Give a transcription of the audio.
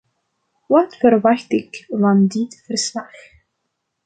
Wat verwacht ik van dit verslag?